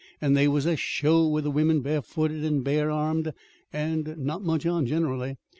And they was a show with the women barefooted and barearmed, and and not much on generally.